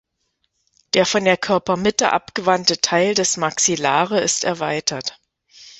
Der von der Körpermitte abgewandte Teil des Maxillare ist erweitert.